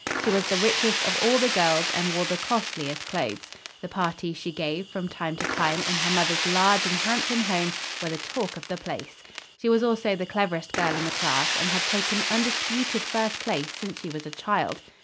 She was the richest of all the girls and wore the costliest clothes. The parties she gave, from time to time, in her mother's large and handsome home were the talk of the place. She was also the cleverest girl in the class, and had taken undisputed first place since she was a child.